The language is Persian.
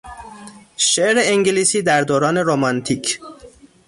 شعر انگلیسی در دوران رومانتیک